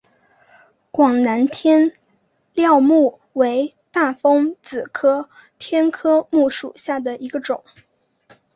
广南天料木为大风子科天料木属下的一个种。